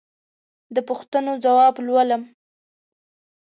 د پوښتنو ځواب لولم.